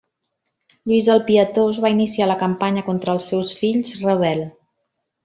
Lluís el Pietós va iniciar la campanya contra els seus fills rebel.